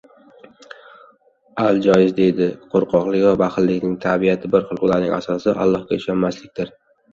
Al-Johiz deydi: “Qo‘rqoqlik va baxillikning tabiati bir xil: ularning asosi — Ollohga ishonmaslikdir”.